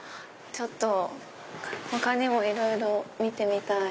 ちょっと他にもいろいろ見てみたい。